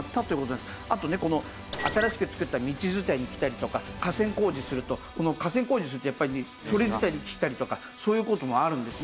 あとねこの新しく作った道伝いに来たりとか河川工事すると河川工事するとやっぱりそれ伝いに来たりとかそういう事もあるんですね。